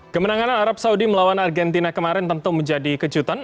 kemenangan arab saudi melawan argentina kemarin tentu menjadi kejutan